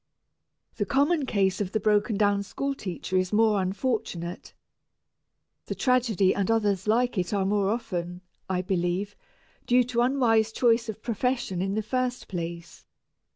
The common case of the broken down school teacher is more unfortunate. This tragedy and others like it are more often, I believe, due to unwise choice of profession in the first place.